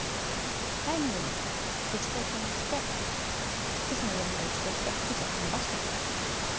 台の上に打ち粉をしまして生地の上にも打ち粉をして生地をのばしていきます。